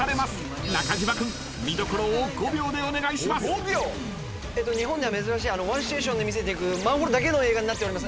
えっと日本では珍しいワンシチュエーションで見せていくマンホールだけの映画になっております。